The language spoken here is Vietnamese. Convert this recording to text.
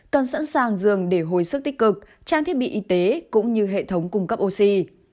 cần sẵn sàng giường để hồi sức tích cực trang thiết bị y tế cũng như hệ thống cung cấp oxy